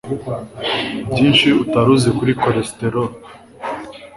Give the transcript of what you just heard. Byinshi utari uzi kuri Cholesterol